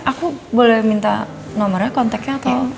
aku boleh minta nomernya konteknya atau